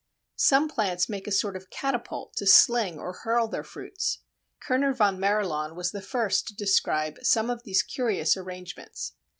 Some plants make a sort of catapult to sling or hurl their fruits. Kerner von Marilaun was the first to describe some of these curious arrangements.